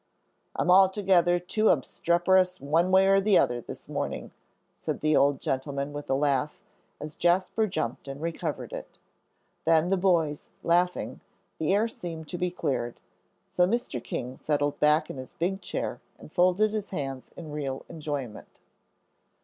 "I'm altogether too obstreperous one way or the other this morning," said the old gentleman, with a laugh, as Jasper jumped and recovered it. Then the boys laughing, the air seemed to be cleared. So Mr. King settled back in his big chair and folded his hands in real enjoyment.